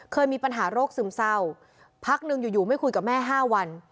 เคยมีปัญหาโรคซึมเศร้าพักหนึ่งอยู่ไม่คุยกับแม่๕วัน